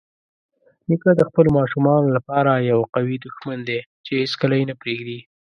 نیکه د خپلو ماشومانو لپاره یوه قوي دښمن دی چې هیڅکله یې نه پرېږدي.